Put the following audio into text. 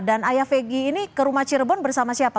dan ayah peggy ini ke rumah cirebon bersama siapa